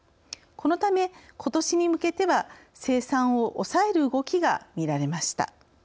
このため、ことしに向けては生産を抑える動きが見られました。